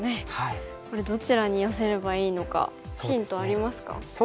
これどちらに寄せればいいのかヒントありますか？